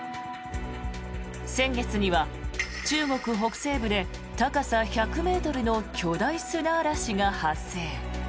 先月には中国北西部で高さ１００ｍの巨大砂嵐が発生。